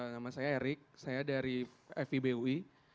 nama saya erick saya dari fib ui